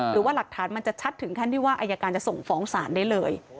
หรือว่าหลักฐานมันจะชัดถึงขั้นที่ว่าอายการจะส่งฟ้องศาลได้เลย